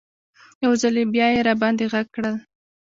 یو ځل بیا یې راباندې غږ کړل.